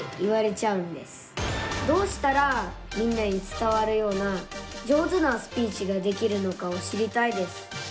どうしたらみんなに伝わるような上手なスピーチができるのかを知りたいです。